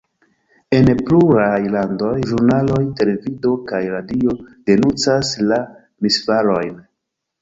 En pluraj landoj ĵurnaloj, televido kaj radio denuncas la misfarojn.